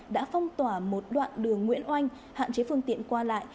đã phong tỏa một đoạn đường nguyễn oanh hạn chế phương tiện qua lại